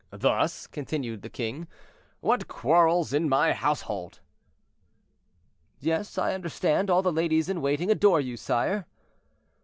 "Thus," continued the king, "what quarrels in my household!" "Yes, I understand; all the ladies in waiting adore you, sire."